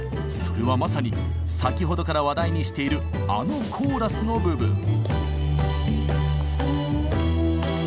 それはまさに先ほどから話題にしているあのコーラスの部分。